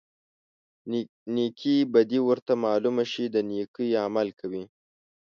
نیکې بدي ورته معلومه شي د نیکۍ عمل کوي.